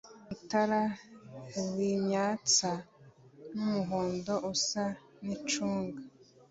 itara rimyatsa ry umuhondo usa nicunga